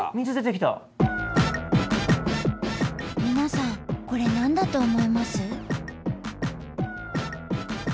スタジオこれ何だと思います？